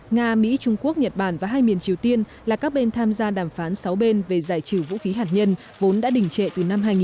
nga mỹ trung quốc nhật bản và hai miền triều tiên là các bên tham gia đàm phán sáu bên về giải trừ vũ khí hạt nhân vốn đã đỉnh trệ từ năm hai nghìn một mươi